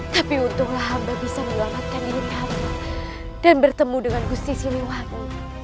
tapi untunglah hamba bisa melamatkan diri hamba dan bertemu dengan gusti siluwangi